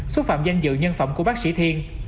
xúc phạm danh dự nhân phẩm của bác sĩ thiên